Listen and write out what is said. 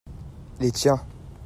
les tiens.